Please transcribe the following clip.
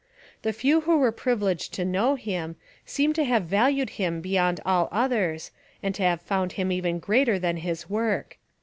The few who were privileged to know him, seem to have valued him beyond all others and to have found him even greater than his work.